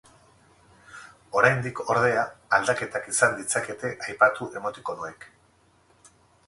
Oraindik, ordea, aldaketak izan ditzakete aipatu emotikonoek.